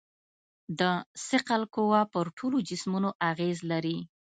د ثقل قوه پر ټولو جسمونو اغېز لري.